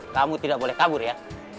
kamu tidak boleh kabur ya